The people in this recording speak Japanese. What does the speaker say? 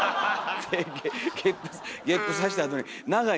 ゲップさしたあとに長いんです